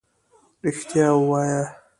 رښتيا ووايه.